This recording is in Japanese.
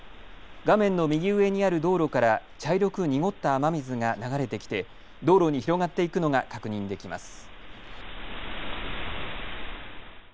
画面の右上にある道路から茶色く濁った雨水が流れてきて道路に広がっていくのが確認できます。